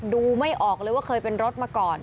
ดูไม่ออกเลยว่าเคยเป็นรถมาก่อน